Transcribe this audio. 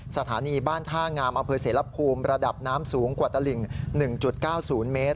สถานีบ้านท่างามอำเภอเสรภูมิระดับน้ำสูงกว่าตลิ่ง๑๙๐เมตร